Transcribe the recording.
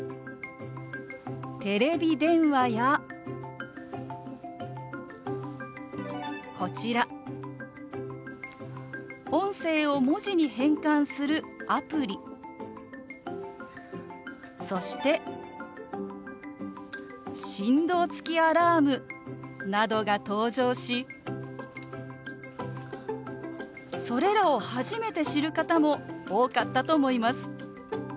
テレビ電話やこちら音声を文字に変換するアプリそして振動付きアラームなどが登場しそれらを初めて知る方も多かったと思います。